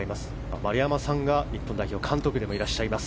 丸山さんが日本代表監督でもいらっしゃいます。